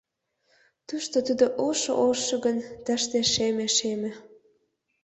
Тушто Тудо ошо-ошо гын, тыште — шеме-шеме.